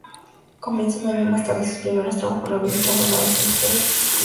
Comienza un año más tarde sus primeros trabajos rehabilitando naves industriales de Madrid.